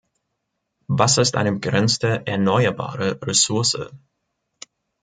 Wasser ist eine begrenzte erneuerbare Ressource.